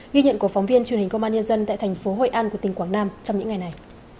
ghi nhận của phóng viên truyền hình công an nhân dân tại thành phố hội an của tỉnh quảng nam trong những ngày này